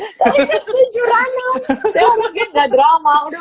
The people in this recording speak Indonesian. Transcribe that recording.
saya orangnya gak drama